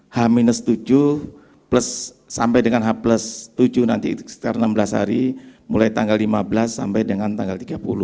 h tujuh sampai dengan h tujuh nanti setelah enam belas hari mulai tanggal lima belas sampai dengan tanggal tiga puluh